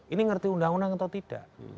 ini ngerti undang undang atau tidak